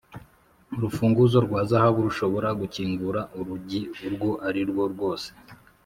urufunguzo rwa zahabu rushobora gukingura urugi urwo arirwo rwose